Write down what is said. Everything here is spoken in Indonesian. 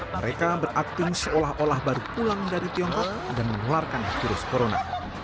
mereka berakting seolah olah baru pulang dari tiongkok dan menularkan virus corona